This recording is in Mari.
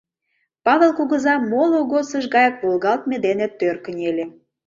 Павыл кугыза моло годсыж гаяк волгалтме дене тӧр кынеле.